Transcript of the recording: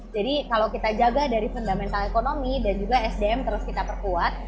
jadi kalau kita jaga dari fundamental ekonomi dan juga sdm terus kita perkuat